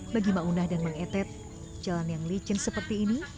bagi maunah dan bang etet jalan yang licin seperti ini